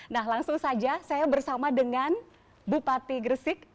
nah langsung saja saya bersama dengan bupati gresik